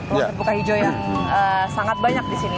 buka buka hijau yang sangat banyak disini